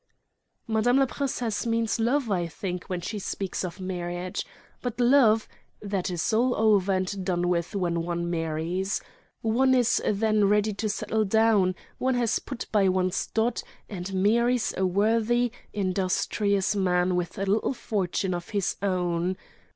"Madame la princesse means love, I think, when she speaks of marriage. But love—that is all over and done with when one marries. One is then ready to settle down; one has put by one's dot, and marries a worthy, industrious man with a little fortune of his own.